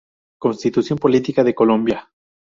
Constitución política de Colombia